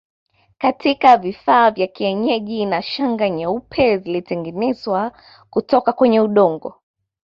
Katika vifaa vya kienyeji na Shanga nyeupe zilitengenezwa kutoka kwenye udongo